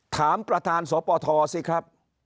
ถามประธานสปทสิครับ